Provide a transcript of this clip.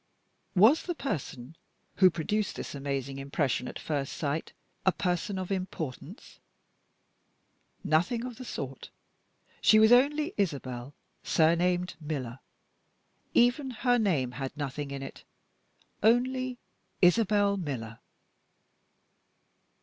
Was the person who produced this amazing impression at first sight a person of importance? Nothing of the sort. She was only "Isabel" surnamed "Miller." Even her name had nothing in it. Only "Isabel Miller!"